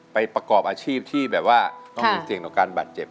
ประกอบอาชีพที่แบบว่าต้องมีเสี่ยงต่อการบาดเจ็บ